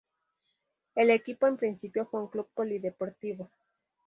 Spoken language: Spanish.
El equipo en principio fue un club polideportivo.